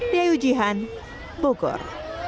diayu jihan bogor